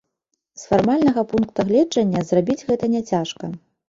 З фармальнага пункта гледжання зрабіць гэта няцяжка.